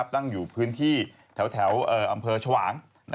ตั้งอยู่พื้นที่แถวอำเภอชวาง